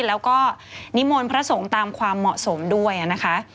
แล้วก็นิมนต์พระสงฆ์ตามความเหมาะสมด้วยนะคะ